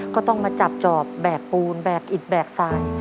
ก็ต้องมาจับจอบแบกปูนแบกอิดแบกทราย